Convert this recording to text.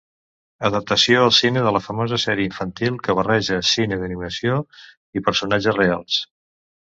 Adaptació al cine de la famosa sèrie infantil que barreja cine d'animació i personatges reals.